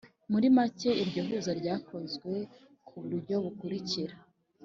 Muri make iryo huza ryakozwe ku buryo bukurikira